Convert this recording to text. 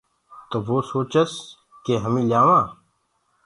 تو وو سوچس ڪي همي ليآوآنٚ